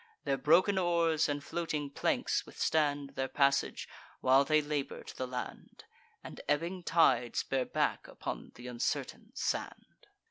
Their broken oars and floating planks withstand Their passage, while they labour to the land, And ebbing tides bear back upon th' uncertain sand.